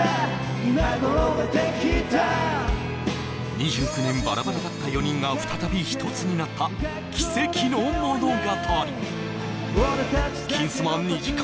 ２９年バラバラだった４人が再び一つになった奇跡の物語「金スマ」２時間